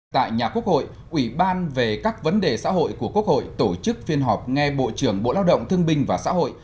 tại nhà quốc hội ủy ban về các vấn đề xã hội của quốc hội tổ chức phiên họp nghe bộ trưởng bộ lao động thương binh và xã hội